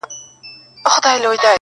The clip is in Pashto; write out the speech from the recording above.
یو یار دي زه یم نور دي څو نیولي دینه-